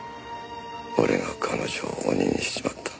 俺が彼女を鬼にしちまった。